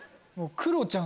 クロちゃん？